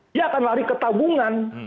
dia akan lari ke tabungan